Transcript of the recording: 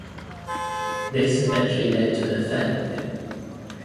This eventually led to an affair with him.